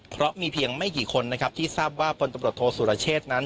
เพราะมีเพียงไม่กี่คนนะครับที่ทราบว่าพลตำรวจโทษสุรเชษนั้น